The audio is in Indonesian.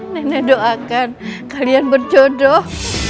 nenek doakan kalian berjodoh